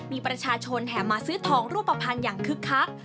มีประชาชนแห่มาซื้อทองรูปภัณฑ์อย่างคึกคัก